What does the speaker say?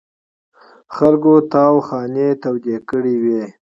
خلکو نوې تاوخانې تودې کړې وې.